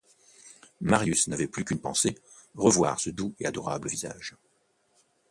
Marius n'avait plus qu'une pensée, revoir ce doux et adorable visage.